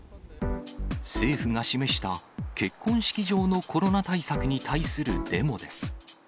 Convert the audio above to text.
政府が示した、結婚式場のコロナ対策に対するデモです。